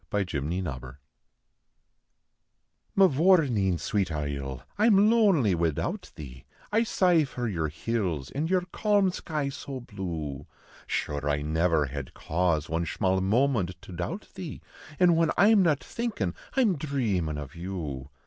PATRICK S DAY Mavourneen, swate isle, I am lonely widout thee, I sigh for your hills an your calm sky so blue ; Shure I niver had cause one shmall moment to doubt thee, An whin I m not thinkin I m dhreamin of you.